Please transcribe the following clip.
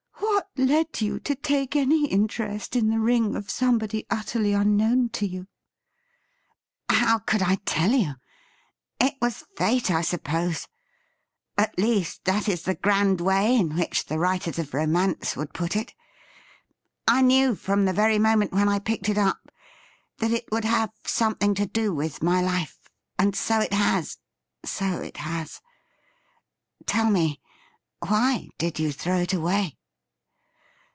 ' What led you to take any interest in the ring of somebody utterly unknown to you .?'' How could I tell you .' It was fate, I suppose ; at least, that is the grand way in which the writers of romance would put it. I knew from the very moment when I picked it up that it would have something to do with my life, and so it has — so it has. Tell me : why did you throw it away